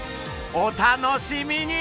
お楽しみに！